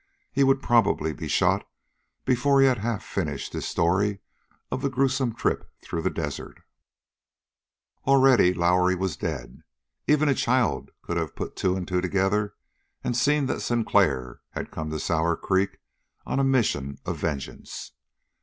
He would probably be shot before he had half finished his story of the gruesome trip through the desert. Already Lowrie was dead. Even a child could have put two and two together and seen that Sinclair had come to Sour Creek on a mission of vengeance.